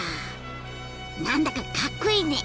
何だかかっこいいね！